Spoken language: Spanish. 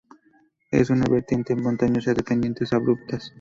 Es una vertiente montañosa de pendientes abruptas.